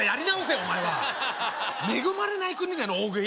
お前は恵まれない国での大食い？